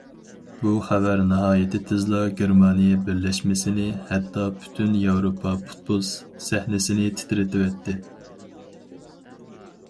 بۇ خەۋەر ناھايىتى تېزلا گېرمانىيە بىرلەشمىسىنى، ھەتتا پۈتۈن ياۋروپا پۇتبول سەھنىسىنى تىترىتىۋەتتى.